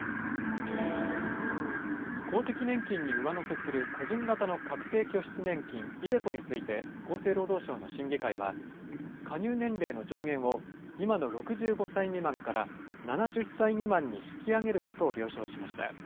公的年金に上乗せする個人型の確定拠出年金・ｉＤｅＣｏについて厚生労働省の審議会は加入年齢の上限を今の６５歳未満から７０歳未満に引き上げることを了承しました。